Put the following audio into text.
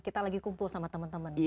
kita lagi kumpul sama teman teman